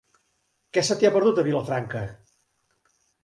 Què se t'hi ha perdut, a Vilafranca?